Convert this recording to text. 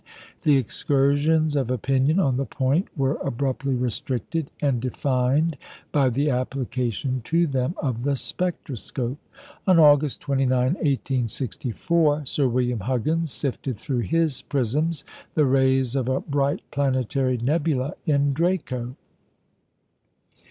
The excursions of opinion on the point were abruptly restricted and defined by the application to them of the spectroscope. On August 29, 1864, Sir William Huggins sifted through his prisms the rays of a bright planetary nebula in Draco.